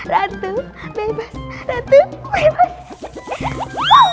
rantuh bebas rantuh bebas